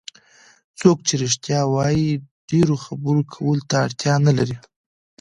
څوک چې رښتیا وایي ډېرو خبرو کولو ته اړتیا نه لري.